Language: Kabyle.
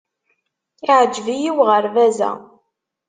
Yeɛjeb-iyi uɣerbaz-a.